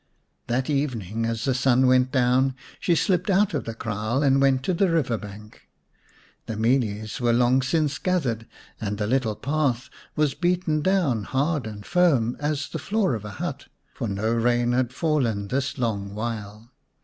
That evening as the sun went down she slipped out of the kraal and went to the river bank. The mealies were long since gathered, and the little path was beaten down hard and firm as the floor of a hut, for no rain had fallen this long while.